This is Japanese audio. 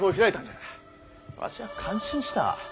わしゃ感心した。